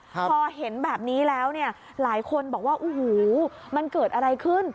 พอเห็นแบบนี้แล้วเนี่ยหลายคนบอกว่าโอ้โหมันเกิดอะไรขึ้น